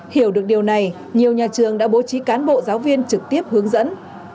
hiểu được điều này nhiều nhà trường đã bố trí cán bộ giáo viên trực tiếp hướng dẫn